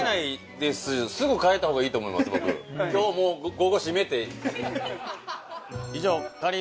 今日もう午後閉めて。